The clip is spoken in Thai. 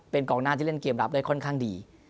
เป็นกองหน้าที่เล่นเกมรับได้ค่อนข้างดี